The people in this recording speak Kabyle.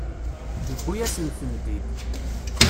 Yuwi-asent-ten-id.